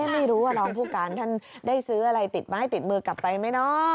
ไม่รู้ว่ารองผู้การท่านได้ซื้ออะไรติดไม้ติดมือกลับไปไหมเนาะ